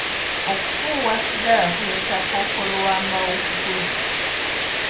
Okufuuwa sigala kuleeta kookolo w'amawuggwe.